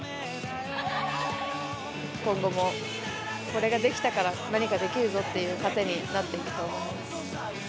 今後も、これができたから何かできるぞっていう糧になっていくと思う。